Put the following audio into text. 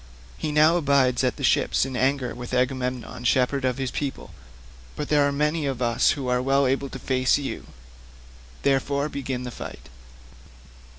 He now abides at the ships in anger with Agamemnon shepherd of his people, but there are many of us who are well able to face you; therefore begin the fight."